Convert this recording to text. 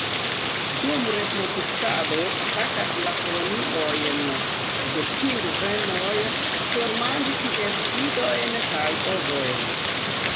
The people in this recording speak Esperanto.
Dum reproduktado atakas la koloniojn de pingvenoj por manĝi ties idojn kaj ovojn.